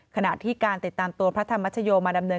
ขณะที่การติดตามตัวพระธรรมชโยมาดำเนิน